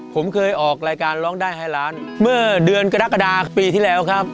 ผมเคยออกรายการร้องได้ให้ล้านเมื่อเดือนกรกฎาปีที่แล้วครับ